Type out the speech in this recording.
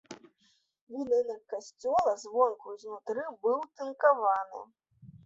Будынак касцёла звонку і знутры быў тынкаваны.